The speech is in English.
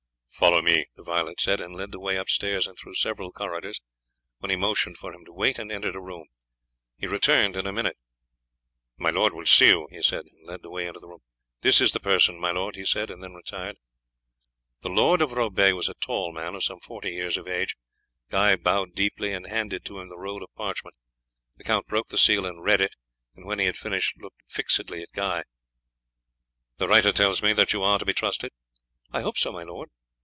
"Follow me," the varlet said, and led the way upstairs and through several corridors, then he motioned to him to wait, and entered a room. He returned in a minute. "My lord will see you," he said, and led the way into the room. "This is the person, my lord," he said, and then retired. The Lord of Roubaix was a tall man of some forty years of age. Guy bowed deeply and handed to him the roll of parchment. The count broke the seal and read it, and when he had finished looked fixedly at Guy. "The writer tells me that you are to be trusted?" "I hope so, my lord."